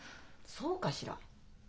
そうかしら？